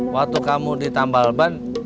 waktu kamu ditambal ban